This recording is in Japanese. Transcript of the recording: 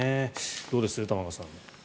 どうですか、玉川さん。